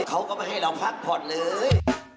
เขาก็ไม่ให้เราพักผ่อนเลย